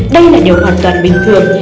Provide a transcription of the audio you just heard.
đây là điều hoàn toàn bình thường